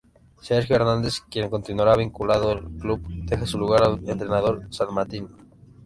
Sergio Hernández, quien continuará vinculado al club, deja su lugar al entrenador salmantino.